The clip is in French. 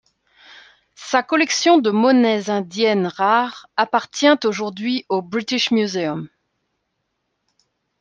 Sa collection de monnaies indiennes rares appartient aujourd'hui au British Museum.